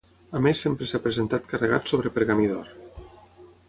A més sempre s'ha presentat carregat sobre pergamí d'or.